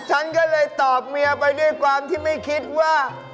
ฉันก็เลยตอบเมียไปด้วยความที่ไม่คิดว่า